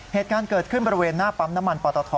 เหตุการณ์เกิดขึ้นบริเวณหน้าปั๊มน้ำมันปอตท